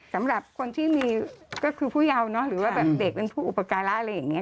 สำหรับคนที่มีก็คือผู้เยาว์เนาะหรือว่าแบบเด็กเป็นผู้อุปการะอะไรอย่างนี้